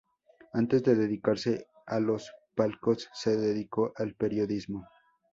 Antes de dedicarse a los palcos se dedicó al periodismo.